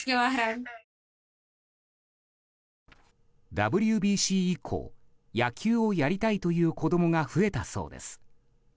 ＷＢＣ以降野球をやりたいという子供が増えたそうです。